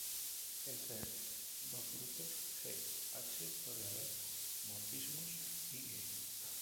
Entre dos grupos "G", "H" puede haber morfismos, i.e.